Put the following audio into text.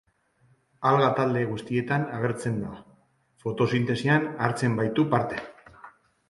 Alga talde guztietan agertzen da, fotosintesian hartzen baitu parte.